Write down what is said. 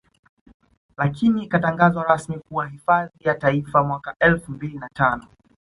Lakini ikatangazwa rasmi kuwa hifadhi ya Taifa mwaka Elfu mbili na tano